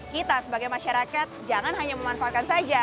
kita sebagai masyarakat jangan hanya memanfaatkan saja